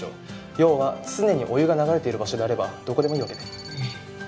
要は常にお湯が流れてる場所であればどこでもいいわけで。